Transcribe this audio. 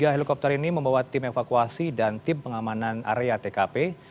tiga helikopter ini membawa tim evakuasi dan tim pengamanan area tkp